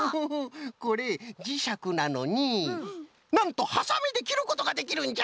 これじしゃくなのになんとはさみできることができるんじゃ！